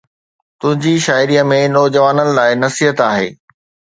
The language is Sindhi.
تنهنجي شاعريءَ ۾ نوجوانن لاءِ نصيحت آهي